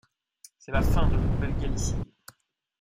C'est la fin de la Nouvelle-Galicie.